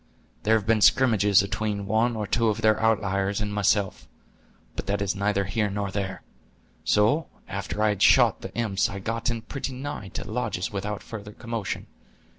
There have been scrimmages atween one or two of their outlyers and myself; but that is neither here nor there. So, after I had shot the imps, I got in pretty nigh to the lodges without further commotion.